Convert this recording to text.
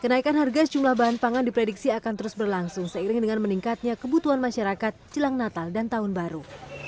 kenaikan harga sejumlah bahan pangan diprediksi akan terus berlangsung seiring dengan meningkatnya kebutuhan masyarakat jelang natal dan tahun baru